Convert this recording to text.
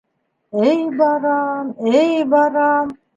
Эй барам, эй барам.